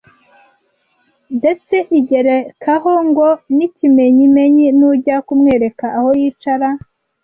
detse igerekaho ngo “n’ikimenyimenyi nujya kumwereka aho yicara